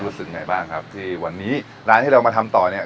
รู้สึกไงบ้างครับที่วันนี้ร้านที่เรามาทำต่อเนี่ย